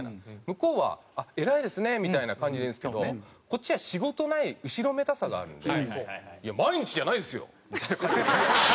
向こうは「偉いですね」みたいな感じで言うんですけどこっちは仕事ない後ろめたさがあるんで「いや毎日じゃないですよ！」みたいな感じで。